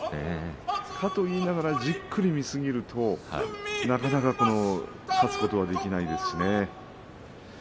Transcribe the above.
かと言いながらじっくりと見すぎると、なかなか勝つことができないんです。